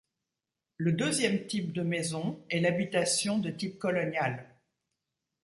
Le deuxième type de maison est l'habitation de type colonial.